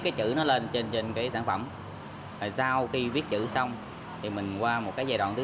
cái chữ nó lên trên trên cái sản phẩm sau khi viết chữ xong thì mình qua một cái giai đoạn thứ